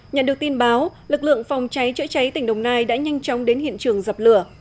nhận được tin báo lực lượng phòng cháy chữa cháy tỉnh đồng nai đã nhanh chóng đến hiện trường dập lửa